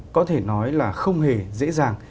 có thể nói là không hề dễ dàng